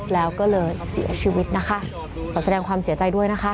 แล้วก็เลยเสียชีวิตนะคะขอแสดงความเสียใจด้วยนะคะ